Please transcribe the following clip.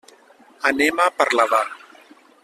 Anem a Parlavà.